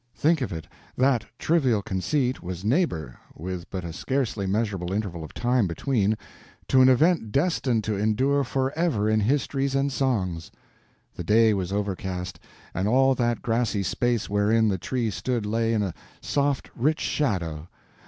Think of it—that trivial conceit was neighbor, with but a scarcely measurable interval of time between, to an event destined to endure forever in histories and songs. The day was overcast, and all that grassy space wherein the Tree stood lay in a soft rich shadow.